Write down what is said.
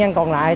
nạn nhân còn lại